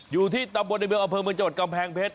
อยู่ที่ตำบลในเมืองอำเภอเมืองจังหวัดกำแพงเพชร